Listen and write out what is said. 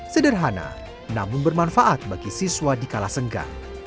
sederhana namun bermanfaat bagi siswa di kalasengga